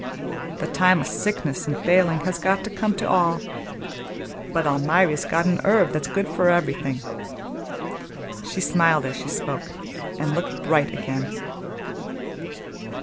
"The time o' sickness an' failin' has got to come to all. But Almiry's got an herb that's good for everything." She smiled as she spoke, and looked bright again.